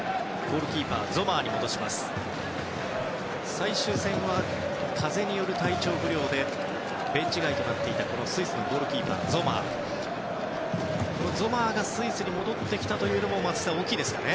最終戦は風邪による体調不良でベンチ外となっていた、スイスのゴールキーパー、ゾマーですがゾマーがスイスに戻ってきたというのも大きいですかね。